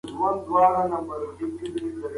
متوازنه سهارنۍ د ورځې لپاره ضروري ده.